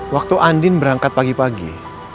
waktu andin berangkat pagi pagi